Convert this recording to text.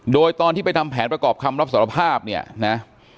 โดยตอนที่ไปทำแผนประกอบคำรับสารภาพเนี่ยนะ